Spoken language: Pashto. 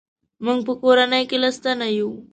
موږ په کورنۍ کې لس تنه یو.